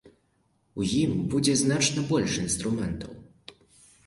У ім будзе значна больш інструментаў.